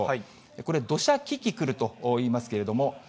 これ、土砂キキクルといいますけれども。